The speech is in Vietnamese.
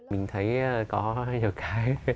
mình thấy có nhiều cái